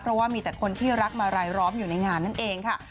เพราะว่ามีแต่คนที่รักมารายล้อมอยู่ในงานนั่นเองค่ะ